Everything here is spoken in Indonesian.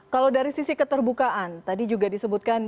kalau dari sisi keterbukaan tadi juga disebutkan